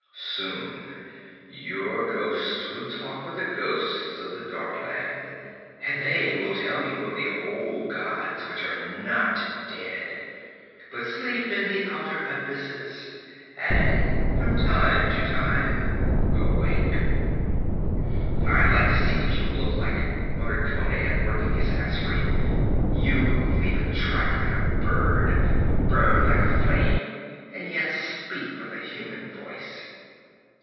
Soon your ghost will talk with the ghosts of the Dark Land, and they will tell you of the old gods which are not dead, but sleep in the outer abysses, and from time to time awake.' 'I'd like to see what you look like,' muttered Conan, working his ax free, 'you who leave a track like a bird, who burn like a flame and yet speak with a human voice.'